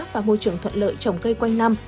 và môi trường thuận lợi trồng cây quanh năm